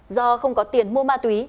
do không có tiền mua ma túy